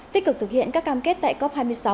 tích cực thực hiện các cam kết tại cop hai mươi sáu